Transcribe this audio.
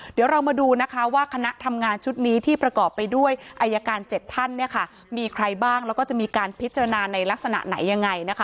เดี๋ยวเรามาดูนะคะว่าคณะทำงานชุดนี้ที่ประกอบไปด้วยอายการ๗ท่านเนี่ยค่ะมีใครบ้างแล้วก็จะมีการพิจารณาในลักษณะไหนยังไงนะคะ